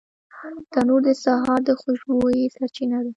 تنور د سهار د خوشبویۍ سرچینه ده